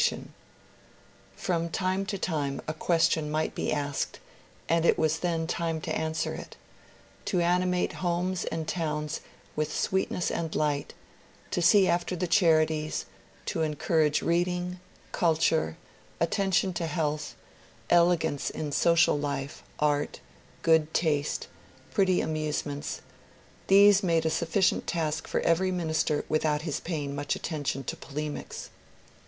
BEECHER AND EMERSON 171 From time to time a question might be asked, and it was then time to answer it. To animate homes and towns with sweet ness and light, to see after the charities, to encourage reading, culture, attention to health, el^ance in social life, art, good taste, pretty amusements, — these made a sufficient task for every minister without his paying much attention to polemics.